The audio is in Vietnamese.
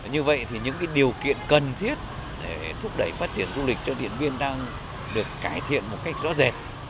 như vậy thì những điều kiện cần thiết để thúc đẩy phát triển du lịch cho điện biên đang được cải thiện một cách rõ rệt